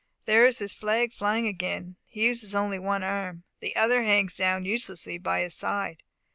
There is his flag flying again. He uses only one arm. The other hangs down uselessly by his side.